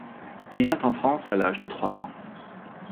Il vient en France à l'âge de trois ans.